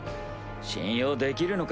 信用できるのか？